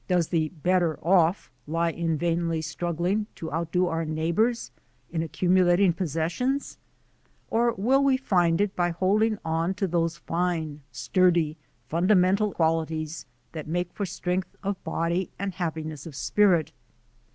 Does the 'better off' lie in vainly struggling to outdo our neighbours in accumulating possessions? Or will we find it by holding on to those fine, sturdy, fundamental qualities that make for strength of body and hap piness of spirit